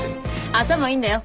頭いいんだよ。